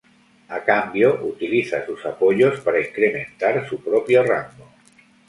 A cambio, utiliza sus apoyos para incrementar su propio rango.